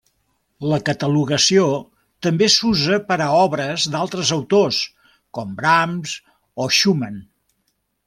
La catalogació també s'usa per a obres d'altres autors, com Brahms o Schumann.